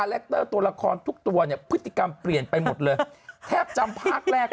แคคเตอร์ตัวละครทุกตัวเนี่ยพฤติกรรมเปลี่ยนไปหมดเลยแทบจำภาคแรก